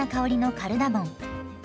カルダモン！